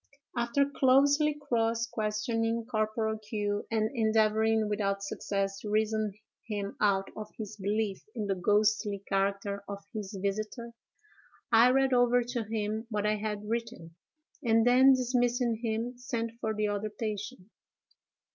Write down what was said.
"After closely cross questioning Corporal Q——, and endeavoring without success to reason him out of his belief in the ghostly character of his visiter, I read over to him what I had written, and then, dismissing him, sent for the other patient.